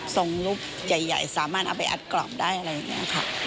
ลุคใหญ่สามารถเอาไปอัดกล่อมได้อะไรอย่างนี้ค่ะ